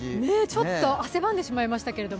ちょっと汗ばんでしまいましたけど。